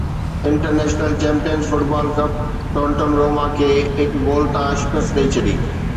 international champions football cup Tottenham Roma کي هڪ goal تان شڪست ڏئي ڇڏي